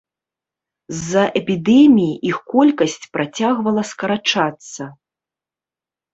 З-за эпідэмій іх колькасць працягвала скарачацца.